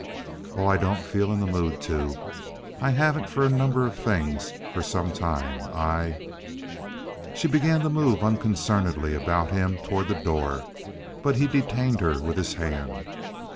"Oh, I don't feel in the mood to. I haven't for a number of things for some time. I—" She began to move unconcernedly about him toward the door, but he detained her with his hand.